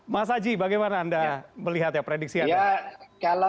mas aji bagaimana anda melihat ya prediksi anda